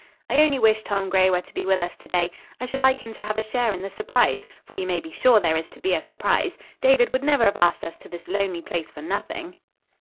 "I only wish Tom Gray were to be with us to day. I should like him to have a share in the surprise; for you may be sure there is to be a surprise. David would never have asked us to this lonely place for nothing."